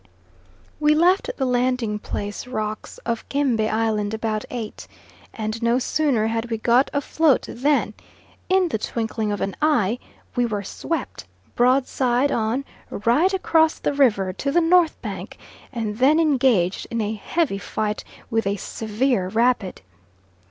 We left the landing place rocks of Kembe Island about 8, and no sooner had we got afloat, than, in the twinkling of an eye, we were swept, broadside on, right across the river to the north bank, and then engaged in a heavy fight with a severe rapid.